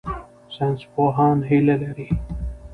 ساینسپوهان هیله لري.